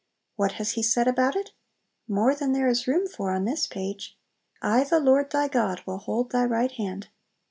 What has He said about it? More than there is room for on this page. "I the Lord thy God will hold thy right hand."